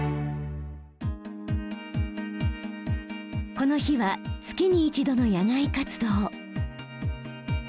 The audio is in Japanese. この日は月に一度の野外活動。